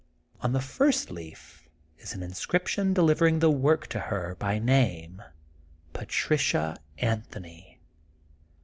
On the first leaf is an inscription delivering the work to her by name: Patricia Anthony.